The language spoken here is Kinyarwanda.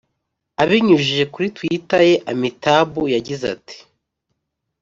abinyujije kuri twitter ye, amitabh yagize ati